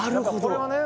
これはね